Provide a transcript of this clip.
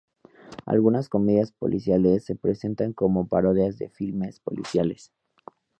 Algunas comedias policiales se presentan como parodias de filmes policiales.